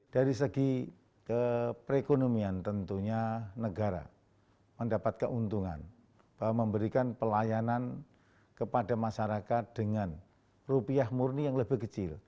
dari segi perekonomian tentunya negara mendapat keuntungan bahwa memberikan pelayanan kepada masyarakat dengan rupiah murni yang lebih kecil